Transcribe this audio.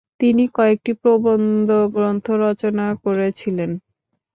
তিনি কয়েকটি প্রবন্ধ গ্রন্থ রচনা করেছিলেন।